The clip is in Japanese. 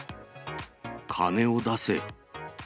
金を出せ。